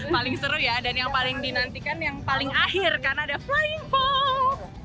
paling seru ya dan yang paling dinantikan yang paling akhir karena ada flying fox